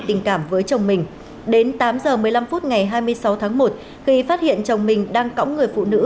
tình cảm với chồng mình đến tám h một mươi năm phút ngày hai mươi sáu tháng một khi phát hiện chồng mình đang cõng người phụ nữ